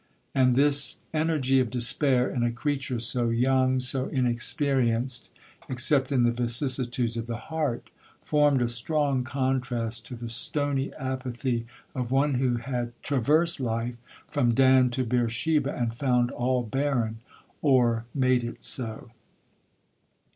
And this energy of despair in a creature so young, so inexperienced, except in the vicissitudes of the heart, formed a strong contrast to the stony apathy of one who had traversed life from Dan to Beersheba, and found all barren, or—made it so.